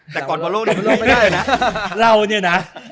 แต่ก่อนบอลโลกนี้ไม่ได้นะ